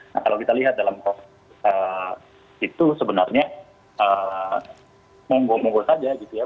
nah kalau kita lihat dalam konteks itu sebenarnya monggo monggo saja gitu ya